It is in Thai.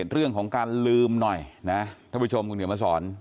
เรื่องของการลืมหน่อยนะท่านผู้ชมคุณเดี๋ยวมาสอน